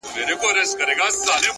پام کوه بې پامه سترگي مه وهه”